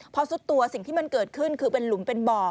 พอซุดตัวสิ่งที่มันเกิดขึ้นคือเป็นหลุมเป็นบ่อ